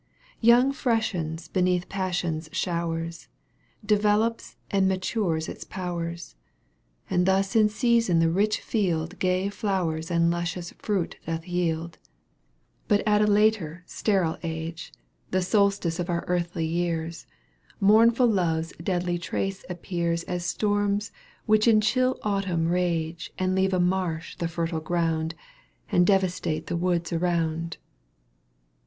Youth freshens beneath Passion's showers. Develops and matures its powers. And thus in season the rich field Gay flowers and luscious fruit doth yield. But at a later, sterile age. Digitized by VjOOQ 1С 238 EUGENE ON^GUINE. canto vm. The solstice of our earthly years, Mournful Love's deadly trace appears As storms which in chill autimin rage And leave a marsh the fertile ground And devastate the woods around.